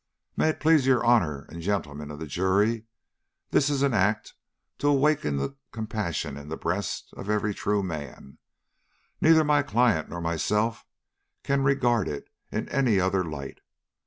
May it please your Honor and Gentlemen of the Jury, this is an act to awaken compassion in the breast of every true man. Neither my client nor myself can regard it in any other light.